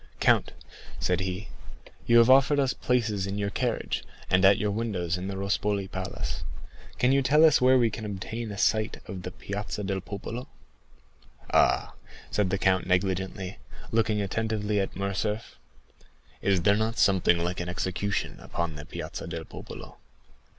"Count," said he, "you have offered us places in your carriage, and at your windows in the Rospoli Palace. Can you tell us where we can obtain a sight of the Piazza del Popolo?" "Ah," said the count negligently, looking attentively at Morcerf, "is there not something like an execution upon the Piazza del Popolo?"